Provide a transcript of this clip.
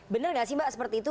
benar nggak sih mbak seperti itu